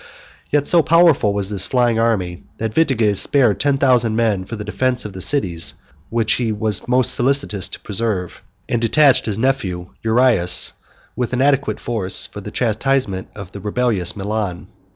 Yet so powerful was this flying army, that Vitiges spared ten thousand men for the defence of the cities which he was most solicitous to preserve, and detached his nephew Uraias, with an adequate force, for the chastisement of rebellious Milan.